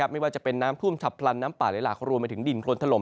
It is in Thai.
ไม่ว่าจะเป็นน้ำท่วมฉับพลันน้ำป่าไหลหลากรวมไปถึงดินโครนถล่ม